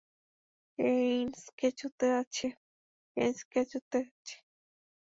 কেইডেন্সকে চুদতে যাচ্ছি কেইডেন্স কে চুদতে যাচ্ছি।